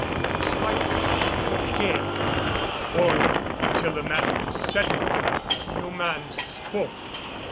It was like a game. For, until the matter was settled, no man spoke.